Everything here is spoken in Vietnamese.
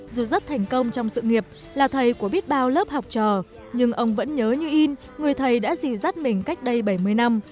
dù rất thành công trong sự nghiệp là thầy của biết bao lớp học trò nhưng ông vẫn nhớ như in người thầy đã dìu dắt mình cách đây bảy mươi năm